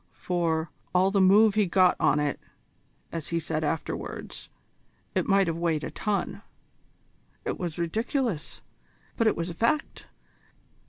For "all the move he got on it," as he said afterwards, it might have weighed a ton. It was ridiculous, but it was a fact.